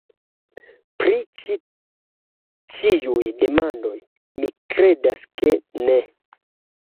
Pri ĉi ĉiuj demandoj, mi kredas ke ne.